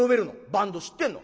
バンド知ってんの？」。